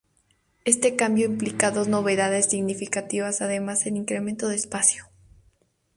Este cambio implica dos novedades significativas, además del incremento de espacio.